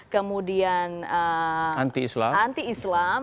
kemudian anti islam